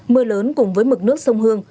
mưa lớn cùng với mực nước sông hương